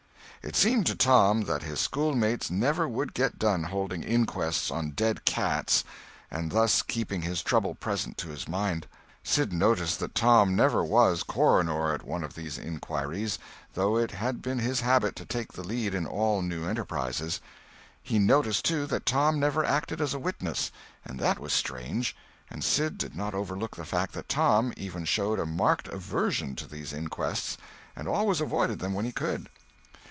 It seemed to Tom that his schoolmates never would get done holding inquests on dead cats, and thus keeping his trouble present to his mind. Sid noticed that Tom never was coroner at one of these inquiries, though it had been his habit to take the lead in all new enterprises; he noticed, too, that Tom never acted as a witness—and that was strange; and Sid did not overlook the fact that Tom even showed a marked aversion to these inquests, and always avoided them when he could.